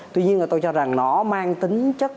tuy nhiên là tôi cho rằng nó mang tính chất